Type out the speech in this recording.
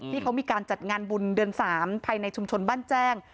ที่เขามีการจัดงานบุญเดือน๓ภายในชุมชนบ้านแจ้ง